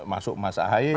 masuk mas ahaye